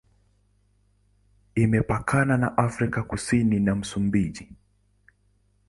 Imepakana na Afrika Kusini na Msumbiji.